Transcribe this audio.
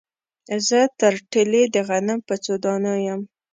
زه ترټلي د غنم په څو دانو یم